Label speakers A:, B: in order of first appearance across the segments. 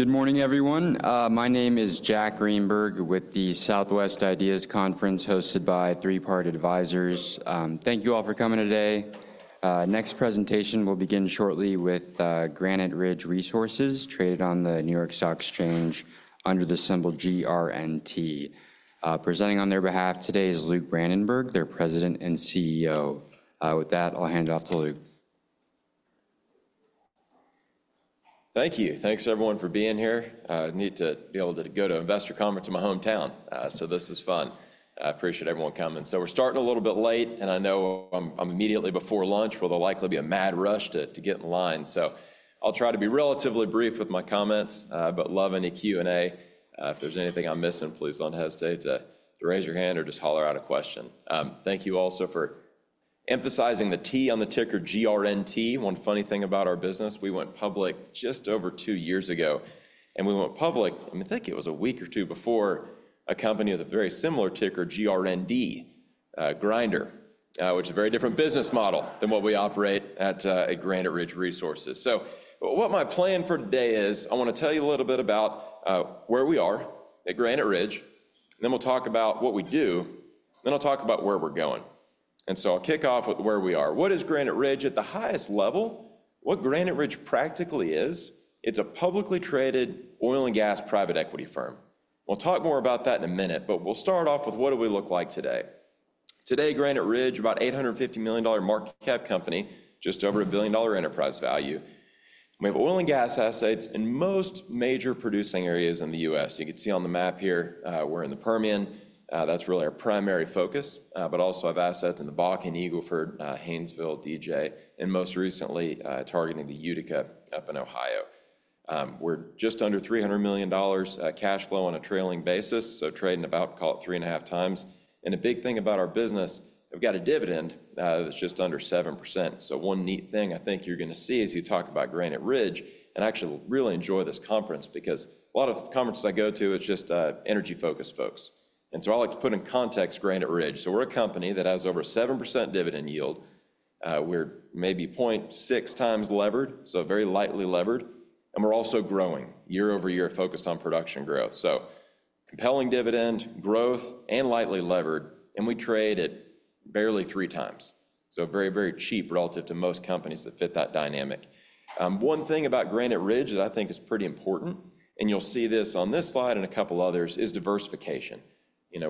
A: Good morning, everyone. My name is Jack Greenberg with the Southwest Ideas Conference hosted by Three Part Advisors. Thank you all for coming today. Next presentation will begin shortly with Granite Ridge Resources, traded on the New York Stock Exchange under the symbol GRNT. Presenting on their behalf today is Luke Brandenberg, their President and CEO. With that, I'll hand it off to Luke.
B: Thank you. Thanks, everyone, for being here. I need to be able to go to Investor Conference in my hometown, so this is fun. I appreciate everyone coming. We're starting a little bit late, and I know immediately before lunch will likely be a mad rush to get in line. I'll try to be relatively brief with my comments, but love any Q&A. If there's anything I'm missing, please don't hesitate to raise your hand or just holler out a question. Thank you also for emphasizing the T on the ticker, GRNT. One funny thing about our business: we went public just over two years ago, and we went public, I think it was a week or two before, a company with a very similar ticker, GRND, Grindr, which is a very different business model than what we operate at Granite Ridge Resources. So what my plan for today is, I want to tell you a little bit about where we are at Granite Ridge, and then we'll talk about what we do, and then I'll talk about where we're going. And so I'll kick off with where we are. What is Granite Ridge at the highest level? What Granite Ridge practically is? It's a publicly traded oil and gas private equity firm. We'll talk more about that in a minute, but we'll start off with what do we look like today. Today, Granite Ridge, about an $850 million market cap company, just over a $1 billion dollar enterprise value. We have oil and gas assets in most major producing areas in the U.S. You can see on the map here, we're in the Permian. That's really our primary focus, but also have assets in the Bakken, Eagle Ford, Haynesville, DJ, and most recently targeting the Utica up in Ohio. We're just under $300 million cash flow on a trailing basis, so trading about, call it 3.5x. And the big thing about our business, we've got a dividend that's just under 7%. So one neat thing I think you're going to see as you talk about Granite Ridge, and I actually really enjoy this conference because a lot of conferences I go to, it's just energy focused folks. And so I like to put in context Granite Ridge. So we're a company that has over 7% dividend yield. We're maybe 0.6 times levered, so very lightly levered, and we're also growing year-over-year, focused on production growth. So compelling dividend growth and lightly levered, and we trade at barely 3x. So very, very cheap relative to most companies that fit that dynamic. One thing about Granite Ridge that I think is pretty important, and you'll see this on this slide and a couple others, is diversification.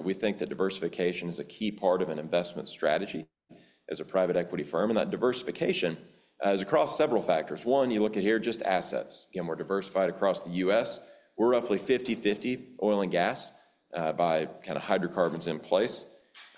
B: We think that diversification is a key part of an investment strategy as a private equity firm, and that diversification is across several factors. One, you look at here, just assets. Again, we're diversified across the U.S. We're roughly 50/50 oil and gas by kind of hydrocarbons in place.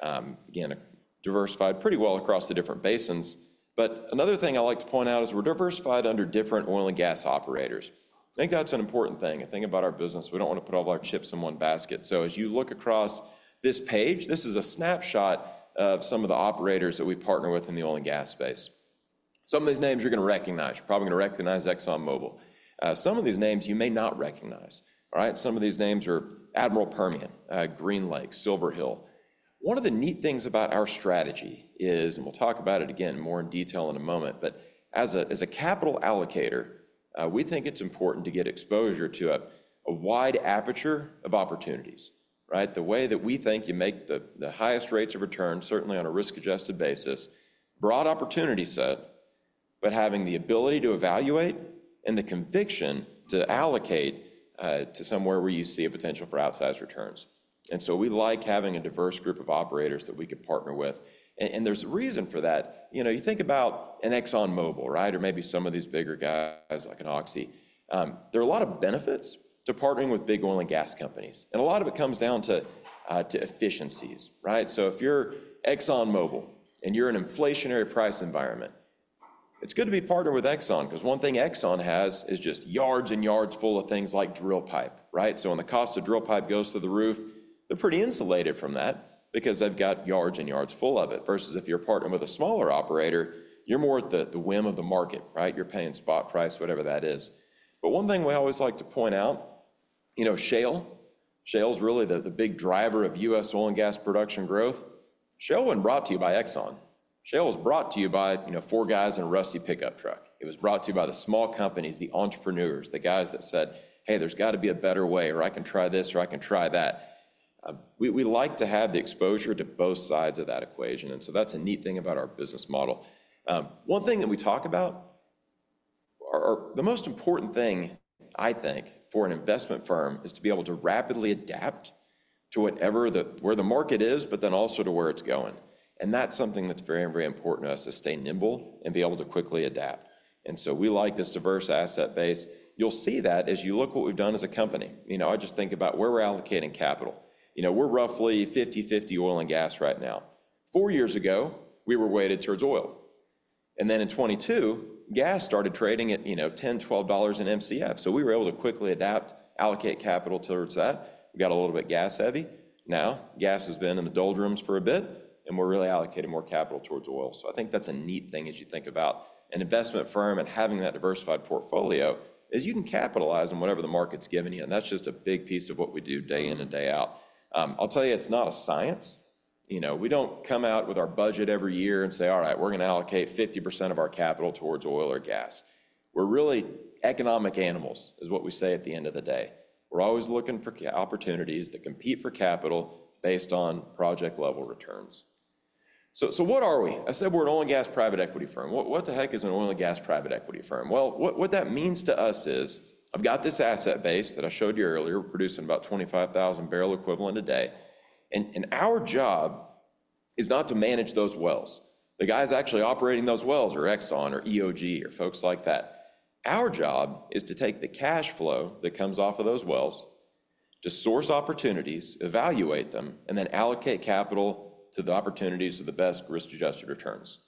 B: Again, diversified pretty well across the different basins. But another thing I like to point out is we're diversified under different oil and gas operators. I think that's an important thing. I think about our business, we don't want to put all our chips in one basket. So as you look across this page, this is a snapshot of some of the operators that we partner with in the oil and gas space. Some of these names you're going to recognize. You're probably going to recognize ExxonMobil. Some of these names you may not recognize. Some of these names are Admiral Permian, Greenlake, Silver Hill. One of the neat things about our strategy is, and we'll talk about it again more in detail in a moment, but as a capital allocator, we think it's important to get exposure to a wide aperture of opportunities. The way that we think you make the highest rates of return, certainly on a risk-adjusted basis, broad opportunity set, but having the ability to evaluate and the conviction to allocate to somewhere where you see a potential for outsized returns. And so we like having a diverse group of operators that we could partner with. And there's a reason for that. You think about an ExxonMobil or maybe some of these bigger guys like an Oxy. There are a lot of benefits to partnering with big oil and gas companies, and a lot of it comes down to efficiencies. So if you're ExxonMobil and you're in an inflationary price environment, it's good to be partnered with Exxon because one thing Exxon has is just yards and yards full of things like drill pipe. So when the cost of drill pipe goes through the roof, they're pretty insulated from that because they've got yards and yards full of it. Versus if you're partnered with a smaller operator, you're more at the whim of the market. You're paying spot price, whatever that is. But one thing we always like to point out: Shell. Shell's really the big driver of U.S. oil and gas production growth. Shell wasn't brought to you by Exxon. Shell was brought to you by four guys in a rusty pickup truck. It was brought to you by the small companies, the entrepreneurs, the guys that said, "Hey, there's got to be a better way," or, "I can try this," or, "I can try that." We like to have the exposure to both sides of that equation, and so that's a neat thing about our business model. One thing that we talk about, or the most important thing, I think, for an investment firm is to be able to rapidly adapt to whatever, where the market is, but then also to where it's going. That's something that's very, very important to us is to stay nimble and be able to quickly adapt. And so we like this diverse asset base. You'll see that as you look at what we've done as a company. I just think about where we're allocating capital. We're roughly 50/50 oil and gas right now. Four years ago, we were weighted towards oil. And then in 2022, gas started trading at $10-$12 in MCF. So we were able to quickly adapt, allocate capital towards that. We got a little bit gas heavy. Now gas has been in the doldrums for a bit, and we're really allocating more capital towards oil. So I think that's a neat thing as you think about an investment firm and having that diversified portfolio is you can capitalize on whatever the market's giving you. That's just a big piece of what we do day in and day out. I'll tell you, it's not a science. We don't come out with our budget every year and say, "All right, we're going to allocate 50% of our capital towards oil or gas." We're really economic animals, is what we say at the end of the day. We're always looking for opportunities to compete for capital based on project-level returns. So what are we? I said we're an oil and gas private equity firm. What the heck is an oil and gas private equity firm? Well, what that means to us is I've got this asset base that I showed you earlier. We're producing about 25,000 barrels of oil equivalent a day. Our job is not to manage those wells. The guys actually operating those wells are Exxon or EOG or folks like that. Our job is to take the cash flow that comes off of those wells, to source opportunities, evaluate them, and then allocate capital to the opportunities of the best risk-adjusted returns.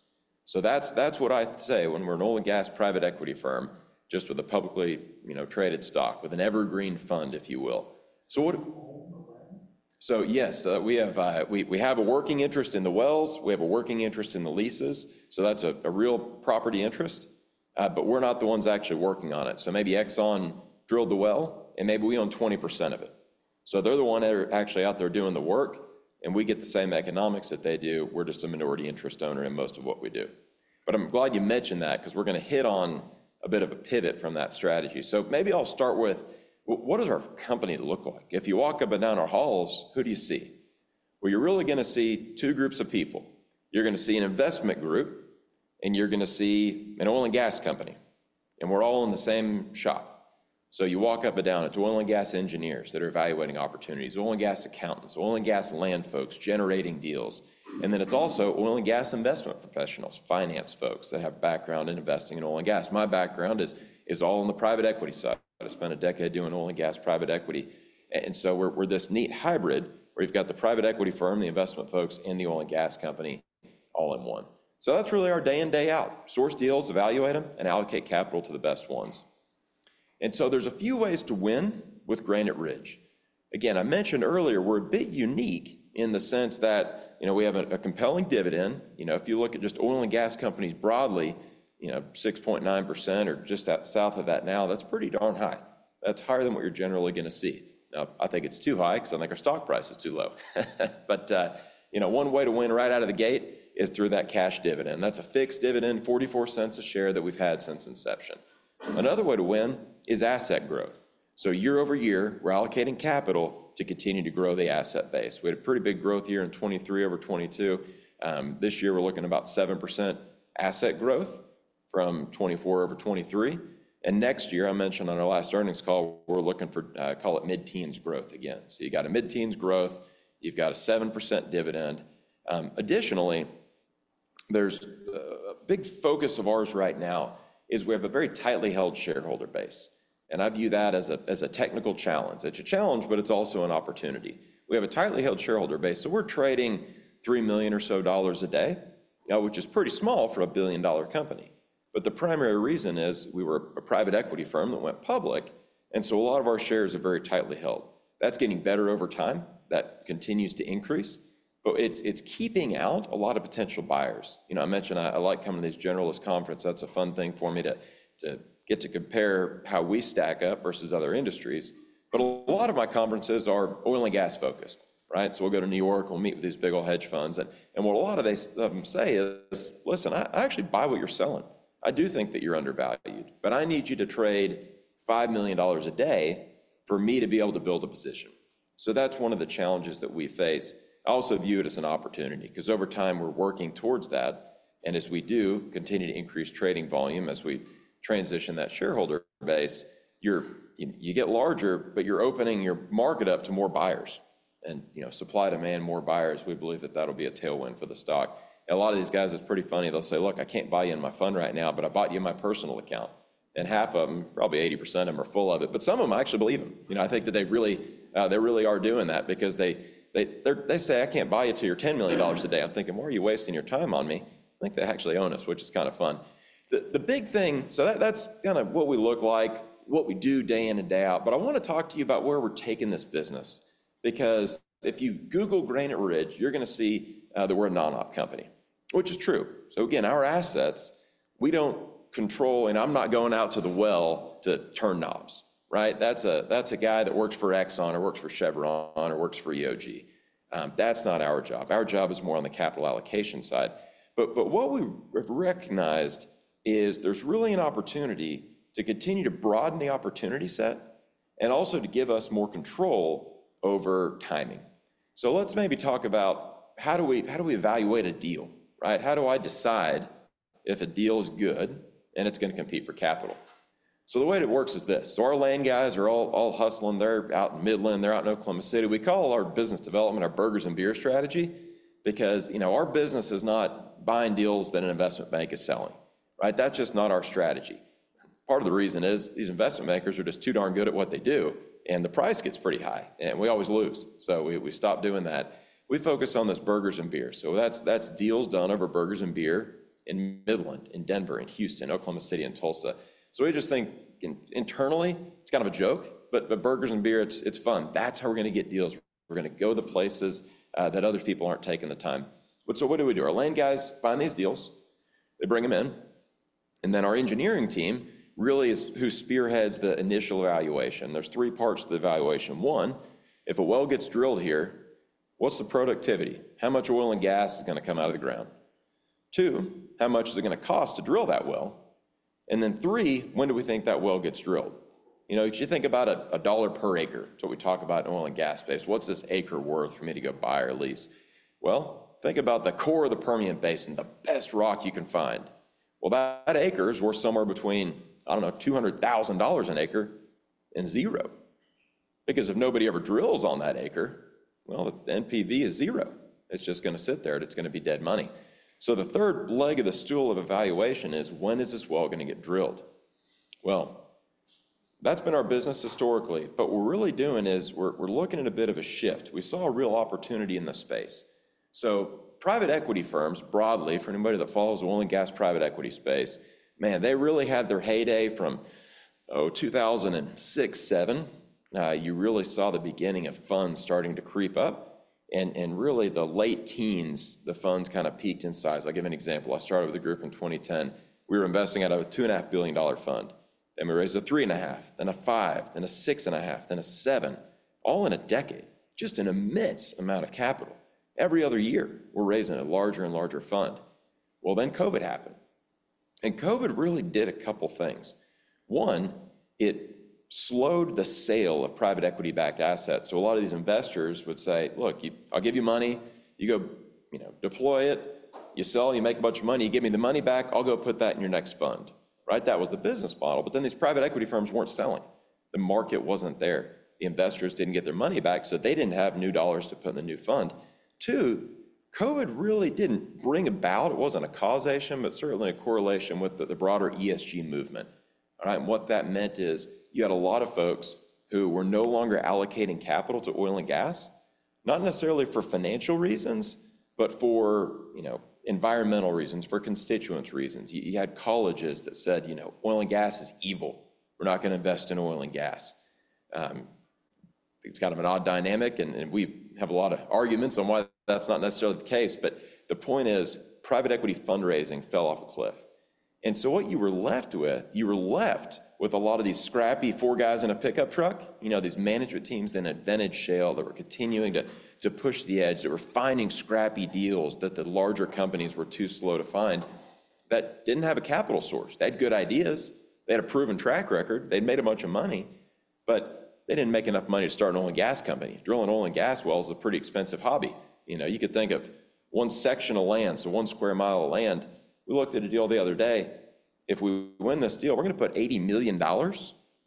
B: So that's what I say when we're an oil and gas private equity firm, just with a publicly traded stock, with an evergreen fund, if you will. So yes, we have a working interest in the wells. We have a working interest in the leases. So that's a real property interest, but we're not the ones actually working on it. So maybe Exxon drilled the well, and maybe we own 20% of it. So they're the one actually out there doing the work, and we get the same economics that they do. We're just a minority interest owner in most of what we do. But I'm glad you mentioned that because we're going to hit on a bit of a pivot from that strategy. So maybe I'll start with what does our company look like? If you walk up and down our halls, who do you see? Well, you're really going to see two groups of people. You're going to see an investment group, and you're going to see an oil and gas company. And we're all in the same shop. So you walk up and down, it's oil and gas engineers that are evaluating opportunities, oil and gas accountants, oil and gas land folks generating deals. And then it's also oil and gas investment professionals, finance folks that have background in investing in oil and gas. My background is all on the private equity side. I spent a decade doing oil and gas private equity. And so we're this neat hybrid where you've got the private equity firm, the investment folks, and the oil and gas company all in one. So that's really our day in, day out. Source deals, evaluate them, and allocate capital to the best ones. And so there's a few ways to win with Granite Ridge. Again, I mentioned earlier, we're a bit unique in the sense that we have a compelling dividend. If you look at just oil and gas companies broadly, 6.9% or just south of that now, that's pretty darn high. That's higher than what you're generally going to see. Now, I think it's too high because I think our stock price is too low. But one way to win right out of the gate is through that cash dividend. That's a fixed dividend, $0.44 a share that we've had since inception. Another way to win is asset growth. So year over year, we're allocating capital to continue to grow the asset base. We had a pretty big growth year in 2023 over 2022. This year, we're looking at about 7% asset growth from 2024 over 2023. And next year, I mentioned on our last earnings call, we're looking for, call it mid-teens growth again. So you've got a mid-teens growth, you've got a 7% dividend. Additionally, there's a big focus of ours right now is we have a very tightly held shareholder base. And I view that as a technical challenge. It's a challenge, but it's also an opportunity. We have a tightly held shareholder base. So we're trading $3 million or so a day, which is pretty small for a billion-dollar company. But the primary reason is we were a private equity firm that went public, and so a lot of our shares are very tightly held. That's getting better over time. That continues to increase, but it's keeping out a lot of potential buyers. I mentioned I like coming to these generalist conferences. That's a fun thing for me to get to compare how we stack up versus other industries. But a lot of my conferences are oil and gas focused. So we'll go to New York, we'll meet with these big old hedge funds. And what a lot of them say is, "Listen, I actually buy what you're selling. I do think that you're undervalued, but I need you to trade $5 million a day for me to be able to build a position." So that's one of the challenges that we face. I also view it as an opportunity because over time we're working towards that. And as we do continue to increase trading volume as we transition that shareholder base, you get larger, but you're opening your market up to more buyers. And supply demand, more buyers, we believe that that'll be a tailwind for the stock. A lot of these guys, it's pretty funny. They'll say, "Look, I can't buy you in my fund right now, but I bought you in my personal account." And half of them, probably 80% of them are full of it, but some of them I actually believe them. I think that they really are doing that because they say, "I can't buy you until you do $10 million a day." I'm thinking, "Why are you wasting your time on me?" I think they actually own us, which is kind of fun. The big thing, so that's kind of what we look like, what we do day in and day out. But I want to talk to you about where we're taking this business because if you google Granite Ridge, you're going to see the word non-op company, which is true. So again, our assets, we don't control, and I'm not going out to the well to turn knobs. That's a guy that works for Exxon or works for Chevron or works for EOG. That's not our job. Our job is more on the capital allocation side. But what we've recognized is there's really an opportunity to continue to broaden the opportunity set and also to give us more control over timing. So let's maybe talk about how do we evaluate a deal? How do I decide if a deal is good and it's going to compete for capital? So the way it works is this. So our land guys are all hustling. They're out in Midland, they're out in Oklahoma City. We call our business development our burgers and beer strategy because our business is not buying deals that an investment bank is selling. That's just not our strategy. Part of the reason is these investment bankers are just too darn good at what they do, and the price gets pretty high, and we always lose. So we stopped doing that. We focus on this burgers and beer. So that's deals done over burgers and beer in Midland, in Denver, in Houston, Oklahoma City, and Tulsa. So we just think internally, it's kind of a joke, but burgers and beer, it's fun. That's how we're going to get deals. We're going to go to places that other people aren't taking the time. So what do we do? Our land guys find these deals, they bring them in, and then our engineering team really is who spearheads the initial evaluation. There's three parts to the evaluation. One, if a well gets drilled here, what's the productivity? How much oil and gas is going to come out of the ground? Two, how much is it going to cost to drill that well? And then three, when do we think that well gets drilled? You think about a dollar per acre. It's what we talk about in oil and gas space. What's this acre worth for me to go buy or lease? Well, think about the core of the Permian Basin, the best rock you can find. Well, that acre is worth somewhere between, I don't know, $200,000 an acre and zero. Because if nobody ever drills on that acre, well, the NPV is zero. It's just going to sit there, and it's going to be dead money, so the third leg of the stool of evaluation is, when is this well going to get drilled? Well, that's been our business historically, but what we're really doing is we're looking at a bit of a shift. We saw a real opportunity in the space, so private equity firms broadly, for anybody that follows the oil and gas private equity space, man, they really had their heyday from, oh, 2006, 2007. You really saw the beginning of funds starting to creep up, and really, the late teens, the funds kind of peaked in size. I'll give you an example. I started with a group in 2010. We were investing out of a $2.5 billion fund. Then we raised a $3.5 billion, then a $5 billion, then a $6.5 billion, then a $7 billion, all in a decade. Just an immense amount of capital. Every other year, we're raising a larger and larger fund. Well, then COVID happened. And COVID really did a couple of things. One, it slowed the sale of private equity-backed assets. So a lot of these investors would say, "Look, I'll give you money. You go deploy it, you sell, you make a bunch of money. You give me the money back, I'll go put that in your next fund." That was the business model. But then these private equity firms weren't selling. The market wasn't there. The investors didn't get their money back, so they didn't have new dollars to put in the new fund. Two, COVID really didn't bring about, it wasn't a causation, but certainly a correlation with the broader ESG movement. And what that meant is you had a lot of folks who were no longer allocating capital to oil and gas, not necessarily for financial reasons, but for environmental reasons, for constituents' reasons. You had colleges that said, "Oil and gas is evil. We're not going to invest in oil and gas." It's kind of an odd dynamic, and we have a lot of arguments on why that's not necessarily the case. But the point is private equity fundraising fell off a cliff. And so what you were left with, you were left with a lot of these scrappy four guys in a pickup truck, these management teams in a vintage shale that were continuing to push the edge, that were finding scrappy deals that the larger companies were too slow to find that didn't have a capital source. They had good ideas. They had a proven track record. They'd made a bunch of money, but they didn't make enough money to start an oil and gas company. Drilling oil and gas wells is a pretty expensive hobby. You could think of one section of land, so one square mile of land. We looked at a deal the other day. If we win this deal, we're going to put $80 million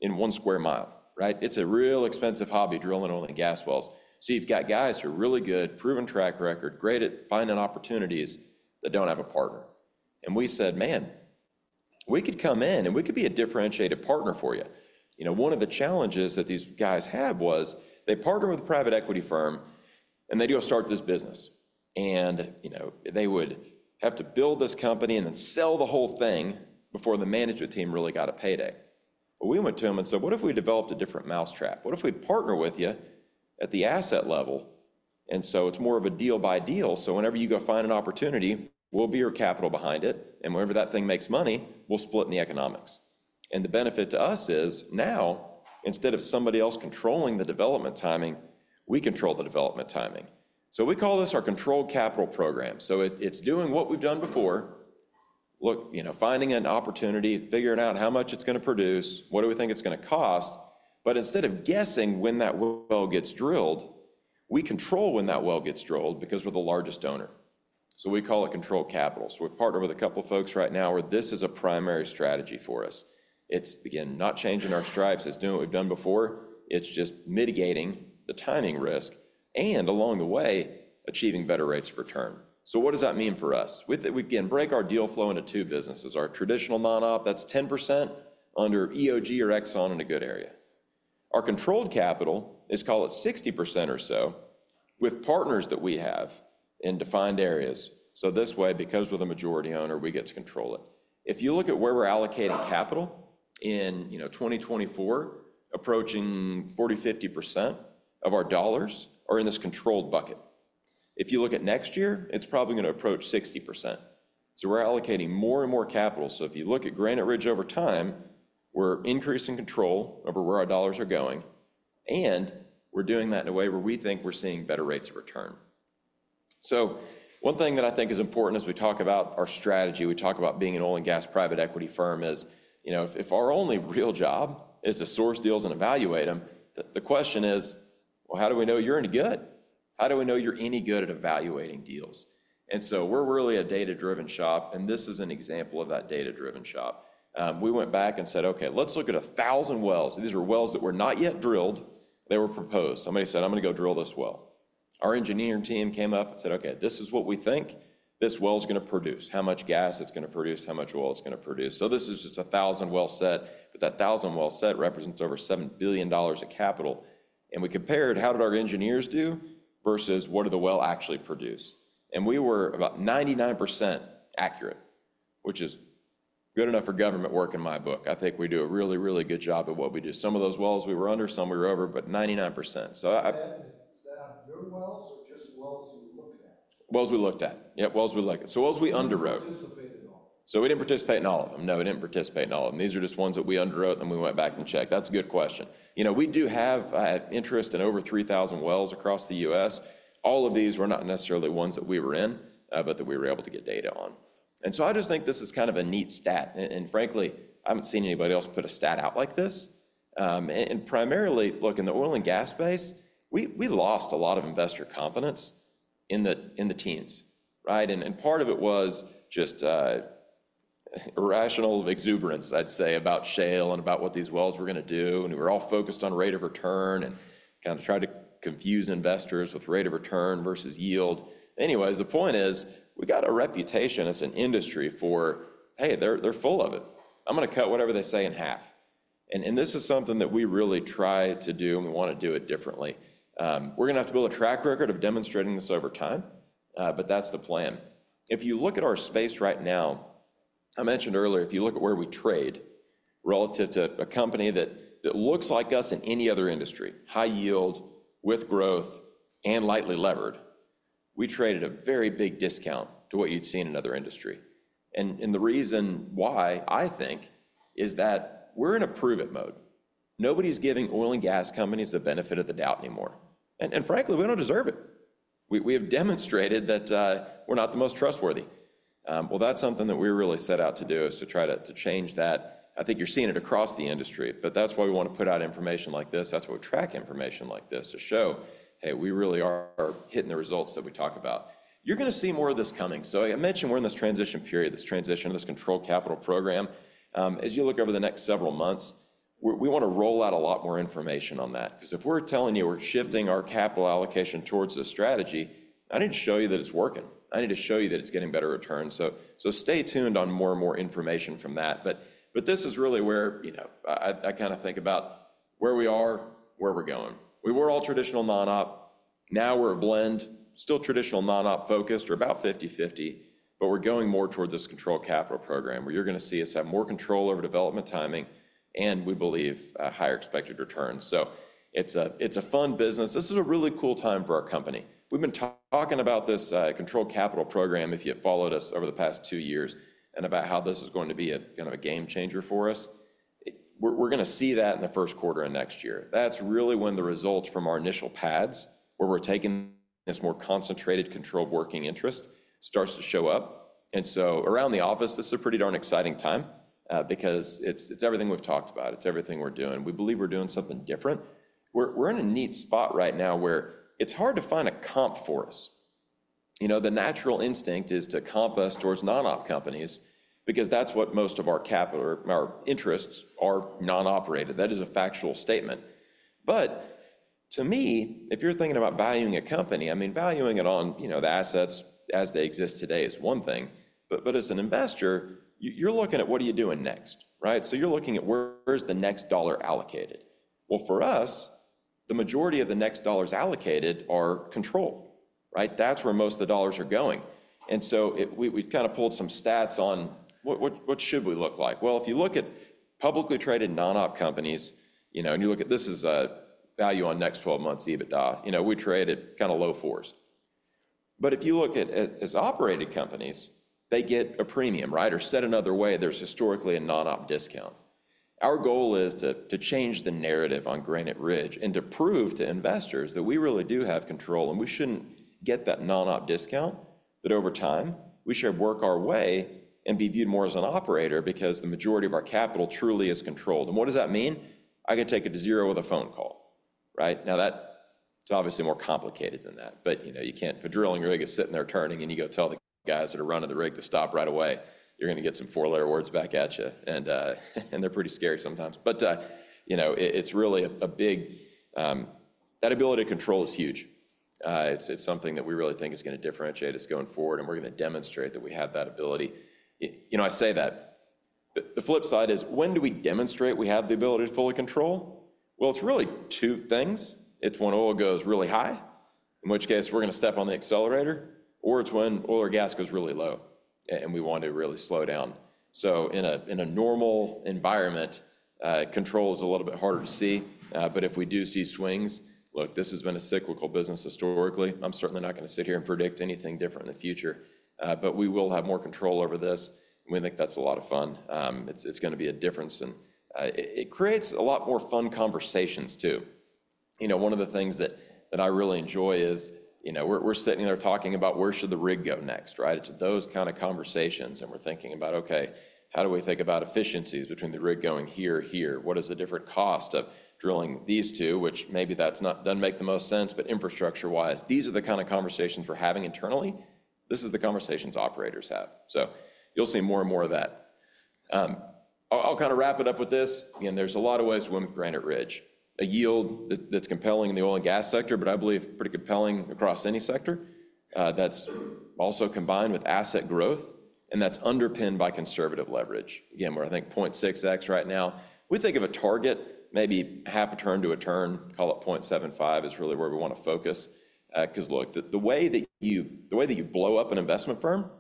B: in one square mile. It's a real expensive hobby drilling oil and gas wells. So you've got guys who are really good, proven track record, great at finding opportunities that don't have a partner. And we said, "Man, we could come in, and we could be a differentiated partner for you." One of the challenges that these guys had was they partnered with a private equity firm, and they'd go start this business. They would have to build this company and then sell the whole thing before the management team really got a payday. Well, we went to them and said, "What if we developed a different mousetrap? What if we'd partner with you at the asset level?" And so it's more of a deal by deal. So whenever you go find an opportunity, we'll be your capital behind it. And whenever that thing makes money, we'll split in the economics. And the benefit to us is now, instead of somebody else controlling the development timing, we control the development timing. So we call this our Controlled Capital Program. So it's doing what we've done before. Look, finding an opportunity, figuring out how much it's going to produce, what do we think it's going to cost. But instead of guessing when that well gets drilled, we control when that well gets drilled because we're the largest owner. So we call it controlled capital. So we've partnered with a couple of folks right now where this is a primary strategy for us. It's, again, not changing our stripes. It's doing what we've done before. It's just mitigating the timing risk and along the way, achieving better rates of return. So what does that mean for us? We can break our deal flow into two businesses. Our traditional non-op, that's 10% under EOG or Exxon in a good area. Our controlled capital is, call it 60% or so, with partners that we have in defined areas. So this way, because we're the majority owner, we get to control it. If you look at where we're allocating capital in 2024, approaching 40%-50% of our dollars are in this controlled bucket. If you look at next year, it's probably going to approach 60%. So we're allocating more and more capital. So if you look at Granite Ridge over time, we're increasing control over where our dollars are going. And we're doing that in a way where we think we're seeing better rates of return. So one thing that I think is important as we talk about our strategy, we talk about being an oil and gas private equity firm, is if our only real job is to source deals and evaluate them, the question is, well, how do we know you're any good? How do we know you're any good at evaluating deals? And so we're really a data-driven shop, and this is an example of that data-driven shop. We went back and said, "Okay, let's look at 1,000 wells." These were wells that were not yet drilled. They were proposed. Somebody said, "I'm going to go drill this well." Our engineering team came up and said, "Okay, this is what we think this well is going to produce. How much gas it's going to produce, how much oil it's going to produce." So this is just 1,000 wells set, but that 1,000 wells set represents over $7 billion of capital, and we compared how did our engineers do versus what did the well actually produce, and we were about 99% accurate, which is good enough for government work in my book. I think we do a really, really good job at what we do. Some of those wells we were under, some we were over, but 99%.
C: So is that on your wells or just wells you looked at?
B: Wells we looked at. Yep, wells we looked at. So wells we underwrote.
C: So you didn't participate in all of them? So we didn't participate in all of them. No, we didn't participate in all of them. These are just ones that we underwrote and then we went back and checked. That's a good question. We do have interest in over 3,000 wells across the U.S. All of these were not necessarily ones that we were in, but that we were able to get data on. And so I just think this is kind of a neat stat. And frankly, I haven't seen anybody else put a stat out like this. And primarily, look, in the oil and gas space, we lost a lot of investor confidence in the teens. Part of it was just irrational exuberance, I'd say, about shale and about what these wells were going to do. We were all focused on rate of return and kind of tried to confuse investors with rate of return versus yield. Anyways, the point is we got a reputation as an industry for, "Hey, they're full of it. I'm going to cut whatever they say in half." This is something that we really try to do, and we want to do it differently. We're going to have to build a track record of demonstrating this over time, but that's the plan. If you look at our space right now, I mentioned earlier, if you look at where we trade relative to a company that looks like us in any other industry, high yield, with growth, and lightly levered, we trade at a very big discount to what you'd seen in other industries. And the reason why, I think, is that we're in a proven mode. Nobody's giving oil and gas companies the benefit of the doubt anymore. And frankly, we don't deserve it. We have demonstrated that we're not the most trustworthy. Well, that's something that we really set out to do is to try to change that. I think you're seeing it across the industry, but that's why we want to put out information like this. That's why we track information like this to show, "Hey, we really are hitting the results that we talk about." You're going to see more of this coming, so I mentioned we're in this transition period, this transition of this controlled capital program. As you look over the next several months, we want to roll out a lot more information on that. Because if we're telling you we're shifting our capital allocation towards this strategy, I need to show you that it's working. I need to show you that it's getting better returns, so stay tuned on more and more information from that, but this is really where I kind of think about where we are, where we're going. We were all traditional non-op. Now we're a blend, still traditional non-op focused. We're about 50/50, but we're going more toward this controlled capital program where you're going to see us have more control over development timing and, we believe, higher expected returns. So it's a fun business. This is a really cool time for our company. We've been talking about this controlled capital program, if you've followed us over the past two years, and about how this is going to be kind of a game changer for us. We're going to see that in the first quarter of next year. That's really when the results from our initial pads, where we're taking this more concentrated controlled working interest, starts to show up. And so around the office, this is a pretty darn exciting time because it's everything we've talked about. It's everything we're doing. We believe we're doing something different. We're in a neat spot right now where it's hard to find a comp for us. The natural instinct is to comp us towards non-op companies because that's what most of our interests are non-operated. That is a factual statement, but to me, if you're thinking about valuing a company, I mean, valuing it on the assets as they exist today is one thing, but as an investor, you're looking at what are you doing next, so you're looking at where's the next dollar allocated, well, for us, the majority of the next dollars allocated are controlled. That's where most of the dollars are going, and so we kind of pulled some stats on what should we look like, well, if you look at publicly traded non-op companies, and you look at this as a value on next 12 months EBITDA, we trade at kind of low fours. But if you look at it as operated companies, they get a premium, or said another way, there's historically a non-op discount. Our goal is to change the narrative on Granite Ridge and to prove to investors that we really do have control, and we shouldn't get that non-op discount, that over time we should work our way and be viewed more as an operator because the majority of our capital truly is controlled. And what does that mean? I can take it to zero with a phone call. Now, that's obviously more complicated than that. But you can't, if you're drilling your rig, you're sitting there turning, and you go tell the guys that are running the rig to stop right away, you're going to get some four-letter words back at you. And they're pretty scary sometimes. But it's really a big that ability to control is huge. It's something that we really think is going to differentiate us going forward, and we're going to demonstrate that we have that ability. I say that. The flip side is, when do we demonstrate we have the ability to fully control? Well, it's really two things. It's when oil goes really high, in which case we're going to step on the accelerator, or it's when oil or gas goes really low and we want to really slow down. So in a normal environment, control is a little bit harder to see. But if we do see swings, look, this has been a cyclical business historically. I'm certainly not going to sit here and predict anything different in the future. But we will have more control over this. We think that's a lot of fun. It's going to be a difference. And it creates a lot more fun conversations, too. One of the things that I really enjoy is we're sitting there talking about where should the rig go next. It's those kind of conversations, and we're thinking about, okay, how do we think about efficiencies between the rig going here, here? What is the different cost of drilling these two, which maybe that doesn't make the most sense, but infrastructure-wise, these are the kind of conversations we're having internally. This is the conversations operators have. So you'll see more and more of that. I'll kind of wrap it up with this. Again, there's a lot of ways to win with Granite Ridge. A yield that's compelling in the oil and gas sector, but I believe pretty compelling across any sector. That's also combined with asset growth, and that's underpinned by conservative leverage. Again, we're, I think, 0.6x right now. We think of a target, maybe half a turn to a turn, call it 0.75 is really where we want to focus. Because look, the way that you blow up an investment firm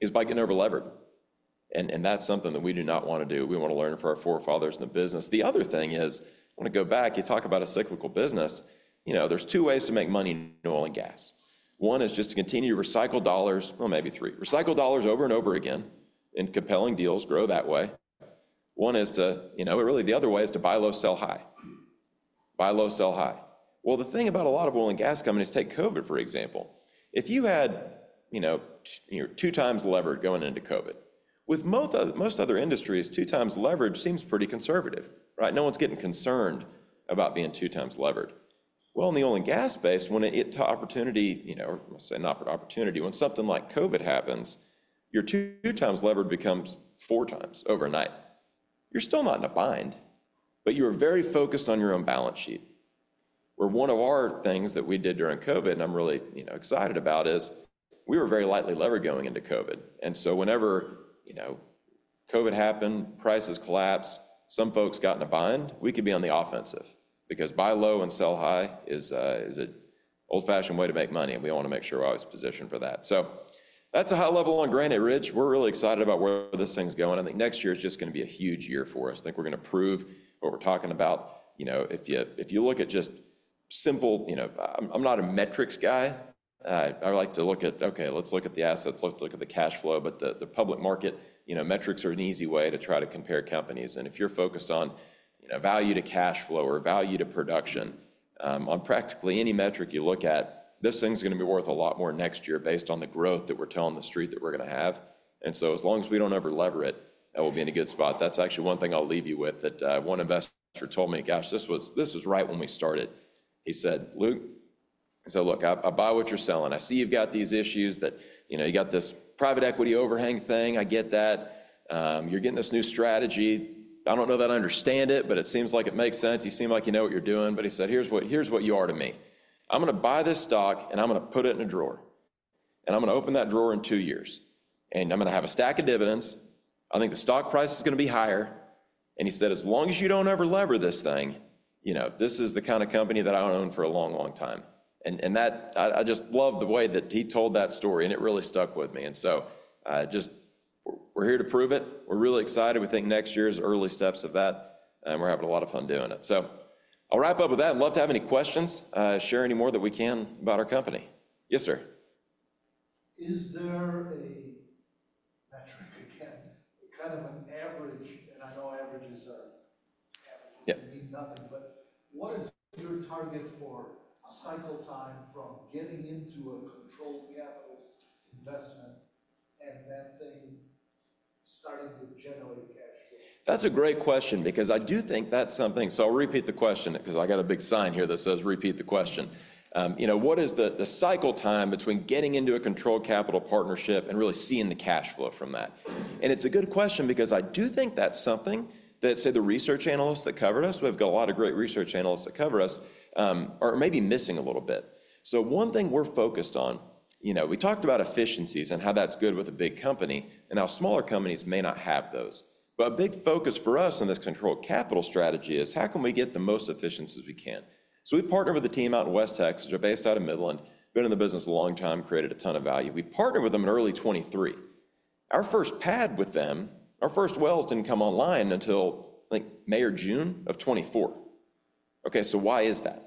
C: is by getting overlevered. And that's something that we do not want to do. We want to learn from our forefathers in the business. The other thing is, when I go back, you talk about a cyclical business, there's two ways to make money in oil and gas. One is just to continue to recycle dollars, well, maybe three, recycle dollars over and over again in compelling deals, grow that way. One is to, really, the other way is to buy low, sell high. Buy low, sell high. Well, the thing about a lot of oil and gas companies, take COVID, for example. If you had two times levered going into COVID, with most other industries, two times leverage seems pretty conservative. No one's getting concerned about being two times levered. Well, in the oil and gas space, when it's an opportunity, or I'm going to say not an opportunity, when something like COVID happens, your two times levered becomes four times overnight. You're still not in a bind, but you are very focused on your own balance sheet. Where one of our things that we did during COVID, and I'm really excited about, is we were very lightly levered going into COVID. And so whenever COVID happened, prices collapsed, some folks got in a bind, we could be on the offensive because buy low and sell high is an old-fashioned way to make money, and we want to make sure we're always positioned for that. So that's a high level on Granite Ridge. We're really excited about where this thing's going. I think next year is just going to be a huge year for us. I think we're going to prove what we're talking about. If you look at just simple, I'm not a metrics guy. I like to look at, okay, let's look at the assets, let's look at the cash flow. But the public market metrics are an easy way to try to compare companies. And if you're focused on value to cash flow or value to production, on practically any metric you look at, this thing's going to be worth a lot more next year based on the growth that we're telling the street that we're going to have. And so as long as we don't overlever it, we'll be in a good spot. That's actually one thing I'll leave you with that one investor told me, "Gosh, this was right when we started." He said, "Luke," he said, "Look, I buy what you're selling. I see you've got these issues that you got this private equity overhang thing. I get that. You're getting this new strategy. I don't know that I understand it, but it seems like it makes sense. You seem like you know what you're doing." But he said, "Here's what you are to me. I'm going to buy this stock, and I'm going to put it in a drawer. And I'm going to open that drawer in two years. And I'm going to have a stack of dividends. I think the stock price is going to be higher." And he said, "As long as you don't overlever this thing, this is the kind of company that I'll own for a long, long time." And I just loved the way that he told that story, and it really stuck with me. And so we're here to prove it. We're really excited. We think next year is early steps of that, and we're having a lot of fun doing it. So I'll wrap up with that. I'd love to have any questions, share any more that we can about our company. Yes, sir. Is there a metric again, kind of an average? And I know averages are averages, mean nothing. But what is your target for cycle time from getting into a controlled capital investment and that thing starting to generate cash flow?
B: That's a great question because I do think that's something. So I'll repeat the question because I got a big sign here that says repeat the question. What is the cycle time between getting into a controlled capital partnership and really seeing the cash flow from that? And it's a good question because I do think that's something that, say, the research analysts that covered us, we've got a lot of great research analysts that cover us, are maybe missing a little bit. So one thing we're focused on, we talked about efficiencies and how that's good with a big company and how smaller companies may not have those. But a big focus for us in this controlled capital strategy is how can we get the most efficiencies we can? So we partnered with a team out in West Texas, who are based out of Midland, been in the business a long time, created a ton of value. We partnered with them in early 2023. Our first pad with them, our first wells didn't come online until May or June of 2024. Okay, so why is that?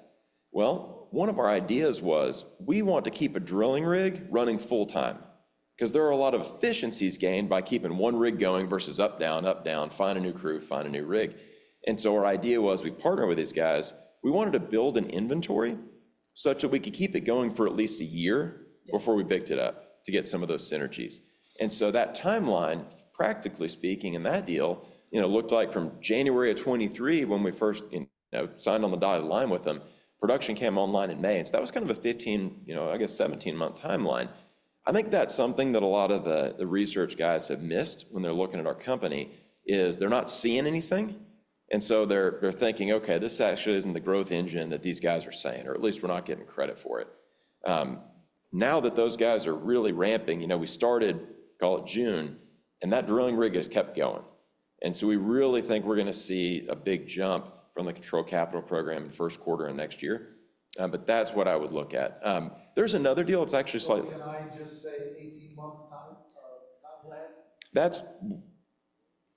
B: Well, one of our ideas was we want to keep a drilling rig running full-time because there are a lot of efficiencies gained by keeping one rig going versus up, down, up, down, find a new crew, find a new rig. And so our idea was we partnered with these guys. We wanted to build an inventory such that we could keep it going for at least a year before we picked it up to get some of those synergies. And so that timeline, practically speaking, in that deal looked like from January of 2023, when we first signed on the dotted line with them, production came online in May. And so that was kind of a 15, I guess, 17-month timeline. I think that's something that a lot of the research guys have missed when they're looking at our company is they're not seeing anything. And so they're thinking, "Okay, this actually isn't the growth engine that these guys are saying, or at least we're not getting credit for it." Now that those guys are really ramping, we started, call it June, and that drilling rig has kept going. And so we really think we're going to see a big jump from the Controlled Capital Program in first quarter of next year. But that's what I would look at. There's another deal. It's actually slightly.
C: Can I just say 18 months' time? That plan?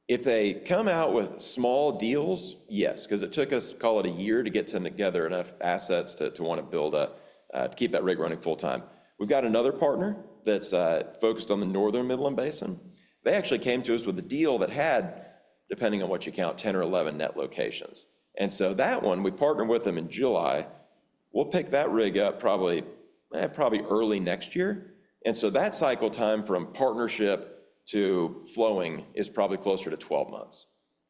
B: If they come out with small deals, yes, because it took us, call it a year, to get together enough assets to want to build up, to keep that rig running full-time. We've got another partner that's focused on the northern Midland Basin. They actually came to us with a deal that had, depending on what you count, 10 or 11 net locations. And so that one, we partnered with them in July. We'll pick that rig up probably early next year. And so that cycle time from partnership to flowing is probably closer to 12 months.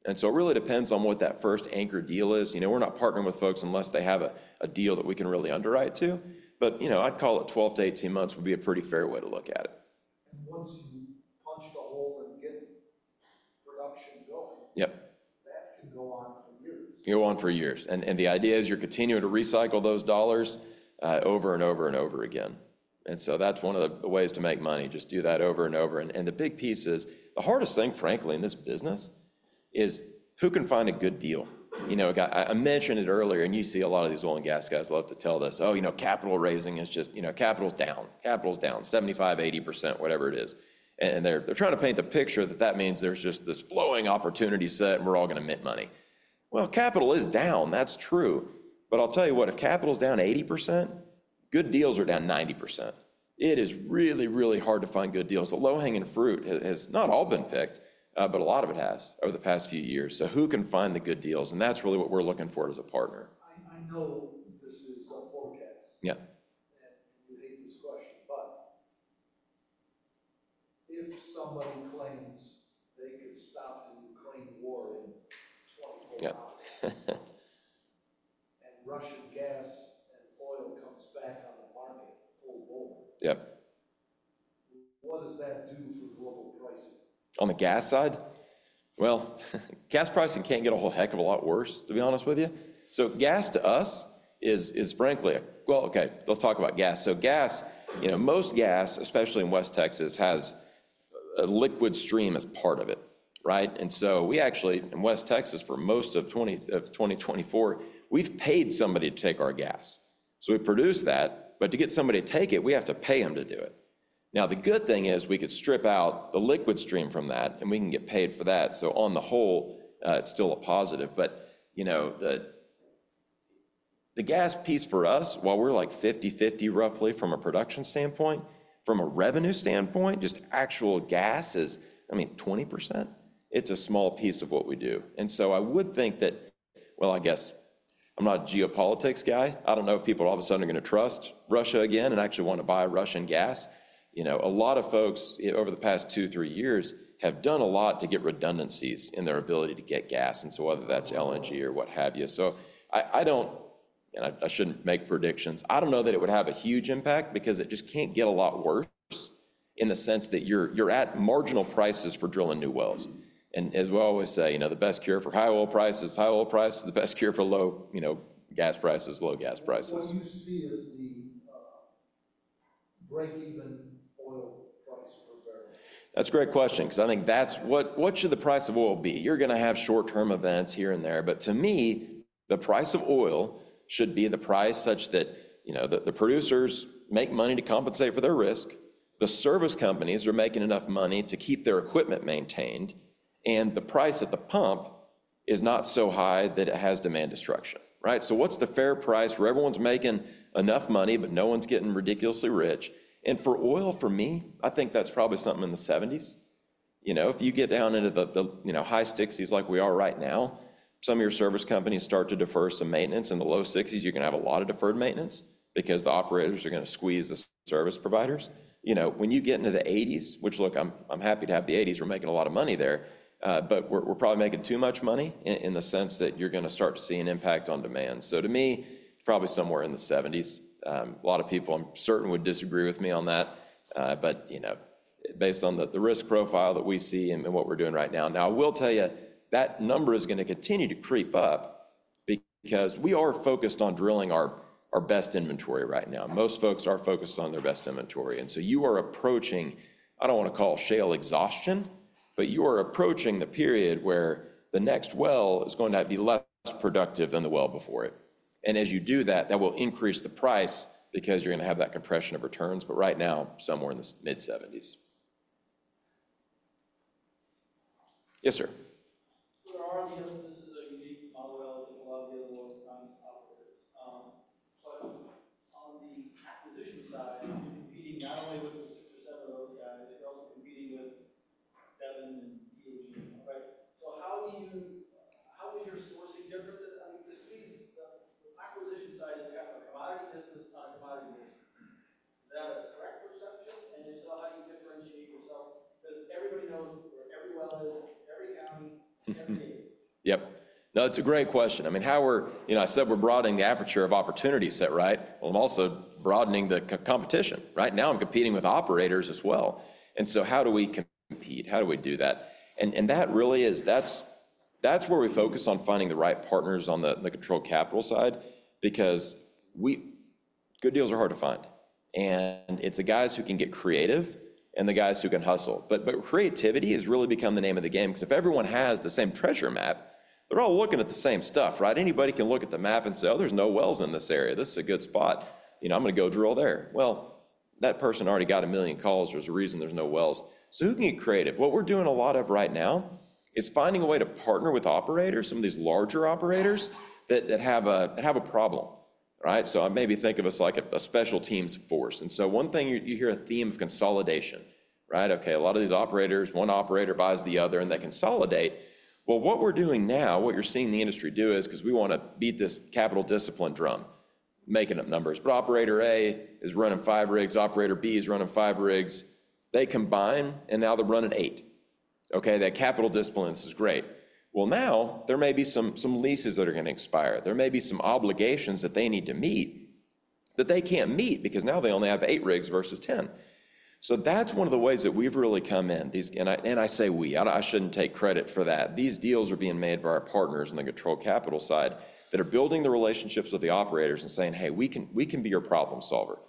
B: And so it really depends on what that first anchor deal is. We're not partnering with folks unless they have a deal that we can really underwrite to. But I'd call it 12-18 months would be a pretty fair way to look at it.
C: And once you punch the hole and get production going, that can go on for years.
B: Can go on for years. And the idea is you're continuing to recycle those dollars over and over and over again. And so that's one of the ways to make money. Just do that over and over. And the big piece is the hardest thing, frankly, in this business is who can find a good deal. I mentioned it earlier, and you see a lot of these oil and gas guys love to tell this, "Oh, capital raising is just capital's down. Capital's down, 75%-80%, whatever it is." And they're trying to paint the picture that that means there's just this flowing opportunity set, and we're all going to mint money. Well, capital is down. That's true. But I'll tell you what, if capital's down 80%, good deals are down 90%. It is really, really hard to find good deals. The low-hanging fruit has not all been picked, but a lot of it has over the past few years. So who can find the good deals? And that's really what we're looking for as a partner.
C: I know this is a forecast. And you hate this question, but if somebody claims they could stop the Ukraine war in 24 hours and Russian gas and oil comes back on the market full-blown, what does that do for global pricing?
B: On the gas side? Well, gas pricing can't get a whole heck of a lot worse, to be honest with you. So gas to us is, frankly, well, okay, let's talk about gas. So gas, most gas, especially in West Texas, has a liquid stream as part of it. And so we actually, in West Texas for most of 2024, we've paid somebody to take our gas. So we produce that, but to get somebody to take it, we have to pay them to do it. Now, the good thing is we could strip out the liquid stream from that, and we can get paid for that. So on the whole, it's still a positive. But the gas piece for us, while we're like 50/50 roughly from a production standpoint, from a revenue standpoint, just actual gas is, I mean, 20%. It's a small piece of what we do. And so I would think that, well, I guess I'm not a geopolitics guy. I don't know if people all of a sudden are going to trust Russia again and actually want to buy Russian gas. A lot of folks over the past two, three years have done a lot to get redundancies in their ability to get gas. And so whether that's LNG or what have you. So I don't, and I shouldn't make predictions. I don't know that it would have a huge impact because it just can't get a lot worse in the sense that you're at marginal prices for drilling new wells. And as we always say, the best cure for high oil prices, high oil prices, the best cure for low gas prices, low gas prices.
C: What do you see as the break-even oil price per barrel?
B: That's a great question because I think that's what should the price of oil be? You're going to have short-term events here and there. But to me, the price of oil should be the price such that the producers make money to compensate for their risk. The service companies are making enough money to keep their equipment maintained. And the price at the pump is not so high that it has demand destruction. So what's the fair price where everyone's making enough money, but no one's getting ridiculously rich? And for oil, for me, I think that's probably something in the 70s. If you get down into the high 60s like we are right now, some of your service companies start to defer some maintenance. In the low 60s, you're going to have a lot of deferred maintenance because the operators are going to squeeze the service providers. When you get into the 80s, which look, I'm happy to have the 80s. We're making a lot of money there, but we're probably making too much money in the sense that you're going to start to see an impact on demand. So to me, probably somewhere in the 70s. A lot of people, I'm certain, would disagree with me on that, but based on the risk profile that we see and what we're doing right now. Now, I will tell you, that number is going to continue to creep up because we are focused on drilling our best inventory right now. Most folks are focused on their best inventory, and so you are approaching. I don't want to call shale exhaustion, but you are approaching the period where the next well is going to be less productive than the well before it, and as you do that, that will increase the price because you're going to have that compression of returns. But right now, somewhere in the mid-70s. Yes, sir.
C: There are risks. This
B: they're all looking at the same stuff, right? Anybody can look at the map and say, "Oh, there's no wells in this area. This is a good spot. I'm going to go drill there." Well, that person already got a million calls. There's a reason there's no wells. So who can get creative? What we're doing a lot of right now is finding a way to partner with operators, some of these larger operators that have a problem. So maybe think of us like a special team's force. And so one thing, you hear a theme of consolidation. Okay, a lot of these operators, one operator buys the other, and they consolidate. Well, what we're doing now, what you're seeing the industry do is because we want to beat this capital discipline drum, making up numbers. But operator A is running five rigs. Operator B is running five rigs. They combine, and now they're running eight. Okay, that capital discipline is great. Well, now there may be some leases that are going to expire. There may be some obligations that they need to meet that they can't meet because now they only have eight rigs versus 10. So that's one of the ways that we've really come in. And I say we, I shouldn't take credit for that. These deals are being made by our partners on the controlled capital side that are building the relationships with the operators and saying, "Hey, we can be your problem solver.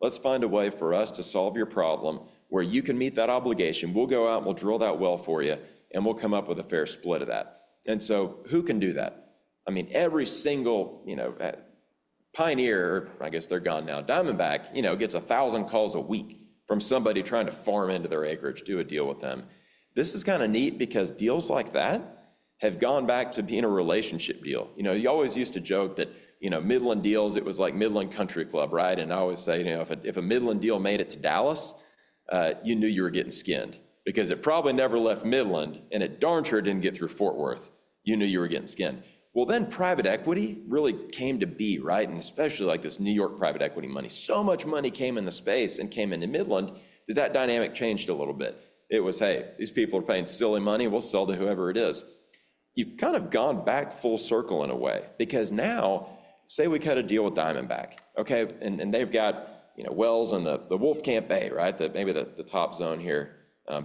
B: Let's find a way for us to solve your problem where you can meet that obligation. We'll go out and we'll drill that well for you, and we'll come up with a fair split of that," and so who can do that? I mean, every single Pioneer, or I guess they're gone now, Diamondback, gets a thousand calls a week from somebody trying to farm into their acreage, do a deal with them. This is kind of neat because deals like that have gone back to being a relationship deal. You always used to joke that Midland deals, it was like Midland Country Club, right? I always say, "If a Midland deal made it to Dallas, you knew you were getting skinned because it probably never left Midland, and it darn sure didn't get through Fort Worth. You knew you were getting skinned." Well, then private equity really came to be, right? And especially like this New York private equity money. So much money came in the space and came into Midland that that dynamic changed a little bit. It was, "Hey, these people are paying silly money. We'll sell to whoever it is." You've kind of gone back full circle in a way because now, say we cut a deal with Diamondback, okay? And they've got wells in the Wolfcamp A, right? Maybe the top zone here,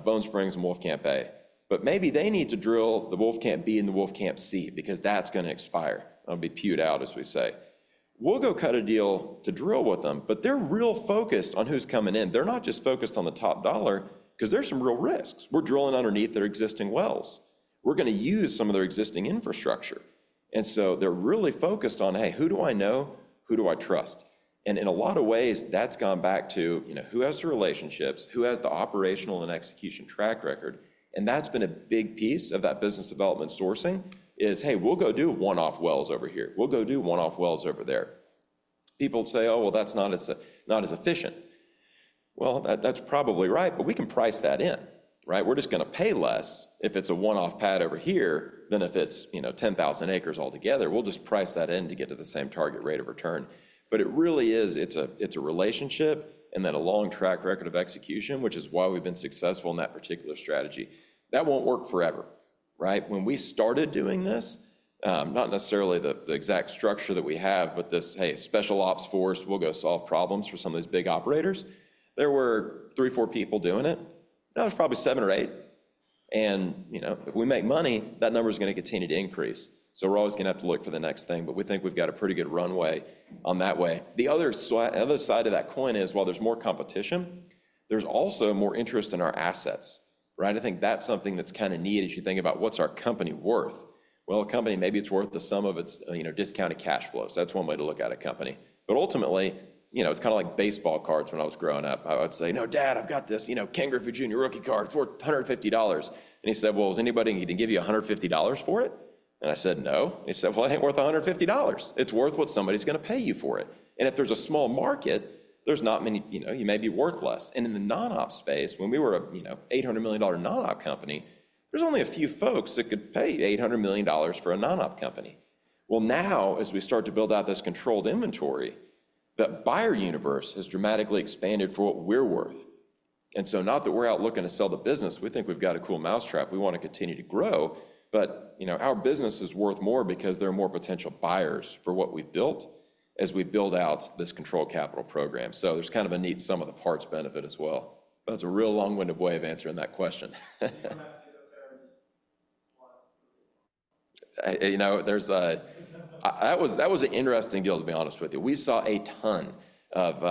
B: Bone Springs and Wolfcamp A. But maybe they need to drill the Wolfcamp B and the Wolfcamp C because that's going to expire. It'll be Pugh'd out, as we say. We'll go cut a deal to drill with them, but they're real focused on who's coming in. They're not just focused on the top dollar because there's some real risks. We're drilling underneath their existing wells. We're going to use some of their existing infrastructure, and so they're really focused on, "Hey, who do I know? Who do I trust?" And in a lot of ways, that's gone back to who has the relationships, who has the operational and execution track record. And that's been a big piece of that business development sourcing is, "Hey, we'll go do one-off wells over here. We'll go do one-off wells over there." People say, "Oh, well, that's not as efficient." That's probably right, but we can price that in, right? We're just going to pay less if it's a one-off pad over here than if it's 10,000 acres altogether. We'll just price that in to get to the same target rate of return. But it really is, it's a relationship and then a long track record of execution, which is why we've been successful in that particular strategy. That won't work forever, right? When we started doing this, not necessarily the exact structure that we have, but this, "Hey, special ops force, we'll go solve problems for some of these big operators." There were three, four people doing it. Now there's probably seven or eight. And if we make money, that number is going to continue to increase. So we're always going to have to look for the next thing. But we think we've got a pretty good runway on that way. The other side of that coin is, while there's more competition, there's also more interest in our assets, right? I think that's something that's kind of neat as you think about what's our company worth. Well, a company, maybe it's worth the sum of its discounted cash flows. That's one way to look at a company. But ultimately, it's kind of like baseball cards when I was growing up. I would say, "No, Dad, I've got this Ken Griffey Jr. rookie card. It's worth $150." And he said, "Well, is anybody going to give you $150 for it?" And I said, "No." And he said, "Well, it ain't worth $150. It's worth what somebody's going to pay you for it. And if there's a small market, there's not many. You may be worth less," and in the non-op space, when we were a $800 million non-op company, there's only a few folks that could pay $800 million for a non-op company. Now, as we start to build out this controlled inventory, the buyer universe has dramatically expanded for what we're worth. Not that we're out looking to sell the business. We think we've got a cool mousetrap. We want to continue to grow. Our business is worth more because there are more potential buyers for what we've built as we build out this controlled capital program. There is kind of a neat sum of the parts benefit as well. That is a real long-winded way of answering that question. That was an interesting deal, to be honest with you. We saw a ton of,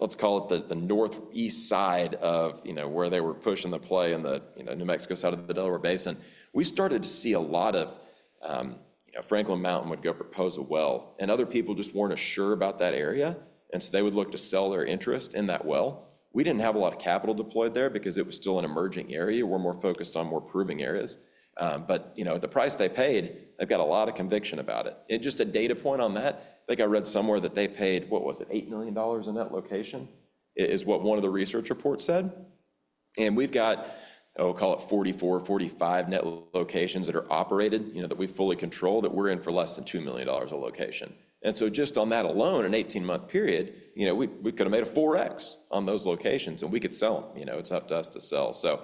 B: let's call it, the northeast side of where they were pushing the play in the New Mexico side of the Delaware Basin. We started to see a lot of Franklin Mountain would go propose a well, and other people just weren't as sure about that area, so they would look to sell their interest in that well. We didn't have a lot of capital deployed there because it was still an emerging area. We're more focused on more proving areas, but the price they paid, they've got a lot of conviction about it, and just a data point on that, I think I read somewhere that they paid, what was it, $8 million in net location is what one of the research reports said. We've got, I'll call it 44, 45 net locations that are operated that we fully control that we're in for less than $2 million a location. And so just on that alone, an 18-month period, we could have made a 4x on those locations, and we could sell them. It's up to us to sell. So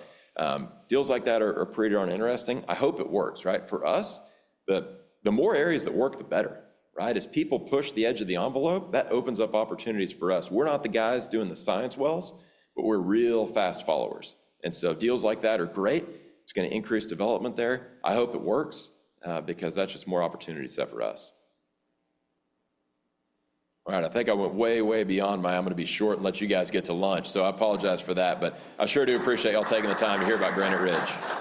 B: deals like that are pretty darn interesting. I hope it works, right? For us, the more areas that work, the better, right? As people push the edge of the envelope, that opens up opportunities for us. We're not the guys doing the science wells, but we're real fast followers. And so deals like that are great. It's going to increase development there. I hope it works because that's just more opportunity set for us. All right. I think I went way, way beyond my… I'm going to be short and let you guys get to lunch, so I apologize for that, but I sure do appreciate y'all taking the time to hear about Granite Ridge.